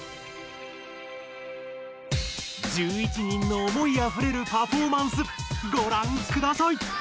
１１人の思いあふれるパフォーマンスごらんください！